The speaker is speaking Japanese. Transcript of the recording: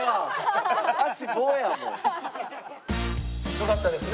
よかったですね